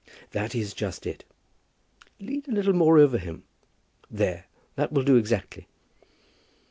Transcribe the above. That is just it. Lean a little more over him. There that will do exactly."